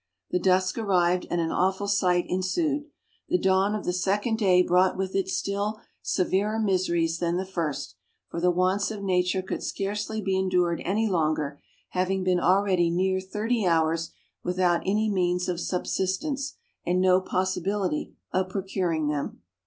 The dusk arrived, and an awful sight ensued. The dawn of the second day brought with it still severer miseries than the first, for the wants of nature could scarcely be endured any longer, having been already near thirty hours without any means of subsistence, and no possibility of procuring them.